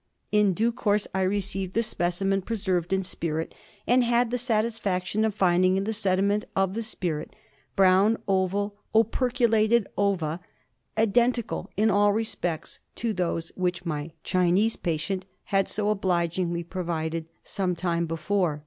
In due course I received the specimen preserved in spirit, and had the satisfaction of finding in the sediment of the spirit, brown, oval, operculated ova identical in all respects with those which my Chinese patient had so obligingly provided some time before.